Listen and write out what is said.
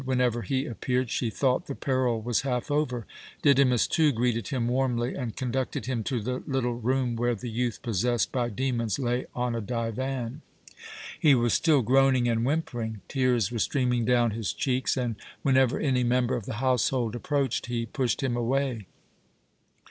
Whenever he appeared she thought the peril was half over. Didymus, too, greeted him warmly, and conducted him to the little room where the youth possessed by demons lay on a divan. He was still groaning and whimpering. Tears were streaming down his cheeks, and, whenever any member of the household approached, he pushed him away.